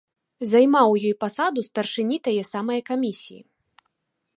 Займаў у ёй пасаду старшыні тае самае камісіі.